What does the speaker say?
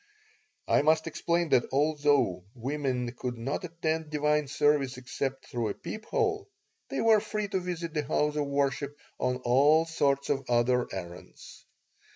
I must explain that although women could not attend divine service except through a peephole, they were free to visit the house of worship on all sorts of other errands.